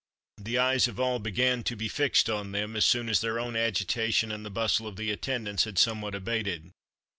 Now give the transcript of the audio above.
The eyes of all began to be fixed on them, as soon as their own agitation and the bustle of the attendants had somewhat abated.